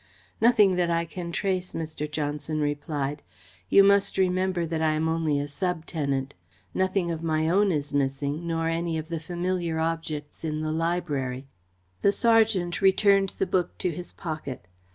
"Nothing that I can trace," Mr. Johnson replied. "You must remember that I am only a sub tenant. Nothing of my own is missing, nor any of the familiar objects in the library." The sergeant returned the book to his pocket.